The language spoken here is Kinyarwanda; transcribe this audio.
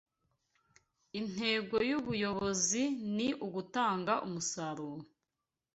Intego yubuyobozi ni ugutanga umusaruro